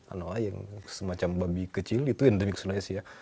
anoa yang semacam babi kecil itu endemic sulawesi ya